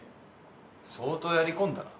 相当やり込んだな。